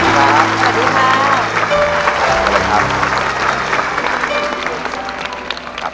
สวัสดีครับ